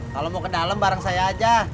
kalau mau ke dalam barang saya aja